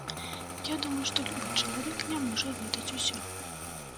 Я думаю, што любы чалавек не можа ведаць усё.